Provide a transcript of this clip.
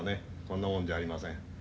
こんなもんじゃありません。